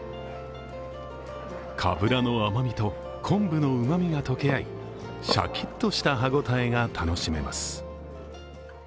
かぶらの甘みと昆布のうまみが溶け合いシャキッとした歯ごたえが楽しめます。